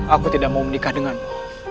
aku tidak mau menikah denganmu